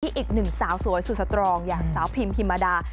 อีกหนึ่งสาวสวยสุดสตรองอย่างสาวพิมพิมมาดา